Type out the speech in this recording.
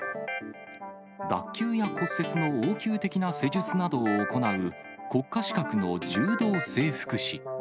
脱臼や骨折の応急的な施術などを行う、国家資格の柔道整復師。